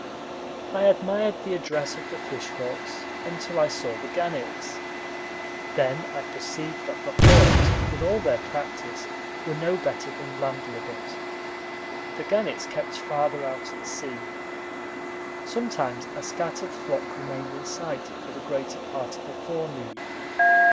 I admired the address of the fish hawks until I saw the gannets. Then I perceived that the hawks, with all their practice, were no better than landlubbers. The gannets kept farther out at sea. Sometimes a scattered flock remained in sight for the greater part of a forenoon.